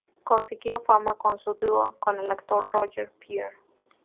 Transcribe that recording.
Consiguió fama con su dúo con el actor Roger Pierre.